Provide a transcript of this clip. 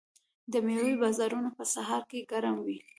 د میوو بازارونه په سهار کې ګرم وي.